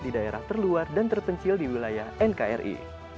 di daerah terluar dan terpencil di wilayah nkri